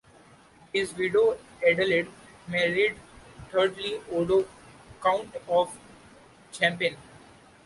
His widow, Adelaide, married thirdly, Odo, Count of Champagne.